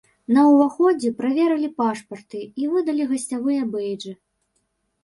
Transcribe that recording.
На ўваходзе праверылі пашпарты і выдалі гасцявыя бэйджы.